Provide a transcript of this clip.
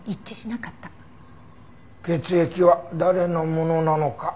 血液は誰のものなのか？